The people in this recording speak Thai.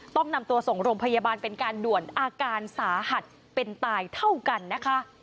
ต้องนำตัวส่งโรงพยาบาลเป็นการด่วนอาการสาหัสเป็นตายเท่ากันนะคะ